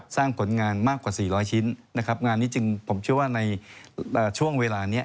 ผลงานมากกว่า๔๐๐ชิ้นนะครับงานนี้จึงผมเชื่อว่าในช่วงเวลานี้